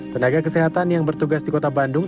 tenaga kesehatan yang bertugas di kota bandung